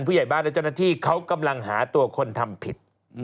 ผู้ใหญ่บ้านและเจ้าหน้าที่เขากำลังหาตัวคนทำผิด